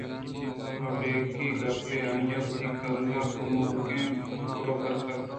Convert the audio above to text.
ابکہی گپےّ ؟آئیءَ وتی کلاہ کموکیں بروبرکُت